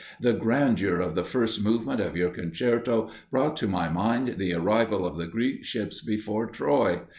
The grandeur of the first movement of your concerto brought to my mind the arrival of the Greek ships before Troy.